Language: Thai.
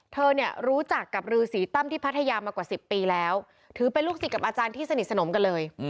เธอเนี่ยรู้จักกับรือสีตั้มที่พัทยามากว่า๑๐ปีแล้วถือเป็นลูกศิษย์กับอาจารย์ที่สนิทสนมกันเลย